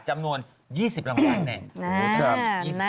จำนวน๒๐รางวัลเนี่ย